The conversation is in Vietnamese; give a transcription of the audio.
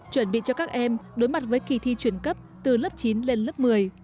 chuẩn bị cho các em đối mặt với kỳ thi chuyển cấp từ lớp chín lên lớp một mươi